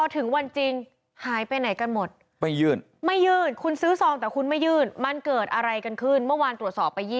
ทุกวันปี่ไหวกสทำลายแบบนี้